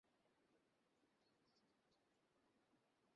সবকিছু আমাদের দোষে হয়েছে!